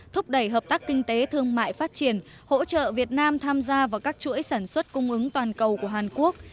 thúc đẩy hợp tác kinh tế thương mại phát triển hỗ trợ việt nam tham gia vào các chuỗi sản xuất cung ứng toàn cầu của hàn quốc